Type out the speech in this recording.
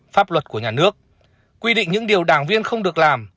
pháp luật của nhà nước quy định những điều đảng viên không được làm